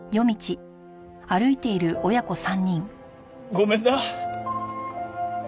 ごめんな。